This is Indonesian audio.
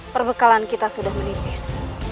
perbekalan kita sudah menipis